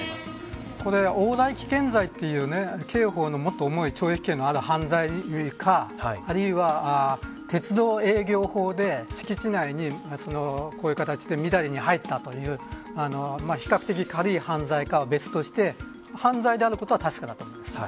これは往来危険罪という刑法のもっと重い懲役刑のある犯罪にあるいは、鉄道営業法で敷地内にこういう形でみだりに入ったという比較的軽い犯罪かは別として犯罪であることは確かだと思います。